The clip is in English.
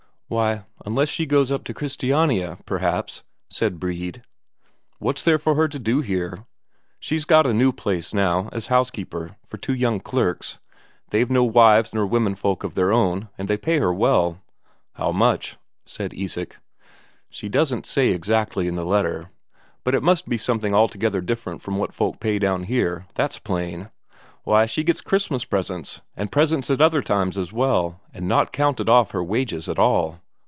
"Why, unless she goes on to Christiania, perhaps," said Brede. "What's there for her to do here? She's got a new place now, as housekeeper, for two young clerks. They've no wives nor womenfolk of their own, and they pay her well." "How much?" said Isak. "She doesn't say exactly in the letter. But it must be something altogether different from what folk pay down here, that's plain. Why, she gets Christmas presents, and presents other times as well, and not counted off her wages at all."